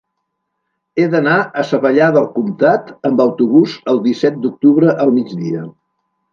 He d'anar a Savallà del Comtat amb autobús el disset d'octubre al migdia.